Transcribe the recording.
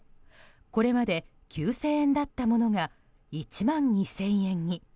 これまで９０００円だったものが１万２０００円に。